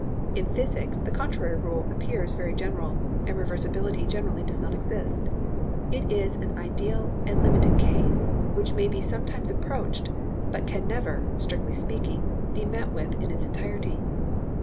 In physics, the contrary rule appears very general, and reversibility generally does not exist. It is an ideal and limited case, which may be sometimes approached, but can never, strictly speaking, be met with in its entirety.